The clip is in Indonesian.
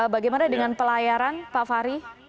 bagaimana dengan pelayaran pak fahri